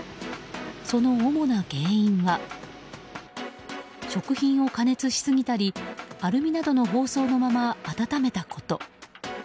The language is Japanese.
その主な原因は食品を加熱しすぎたりアルミなどの包装のまま温めたこと。